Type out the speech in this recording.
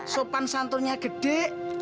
sopan santunnya gede